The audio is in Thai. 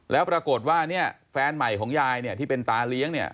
แล้วปรากฏว่าเนี่ยแฟนใหม่ของยายเนี่ยที่เป็นตาเลี้ยงเนี่ย